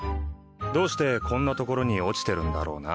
どうしてこんな所に落ちてるんだろうな。